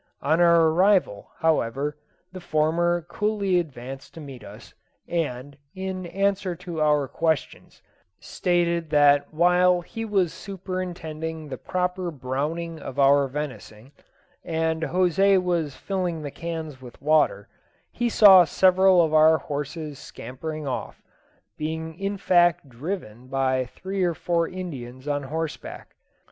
On our arrival, however, the former coolly advanced to meet us, and, in answer to our questions, stated that while he was superintending the proper browning of our venison, and José was filling the cans with water, he saw several of our horses scampering off, being in fact driven by three or four Indians on horseback.